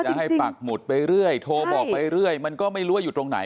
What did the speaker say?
ให้ปากหมุดไปเรื่อยโทรบอกไปเรื่อยมันก็ไม่รู้ว่าอยู่ตรงไหน